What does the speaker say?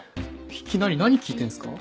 いきなり何聞いてんすか？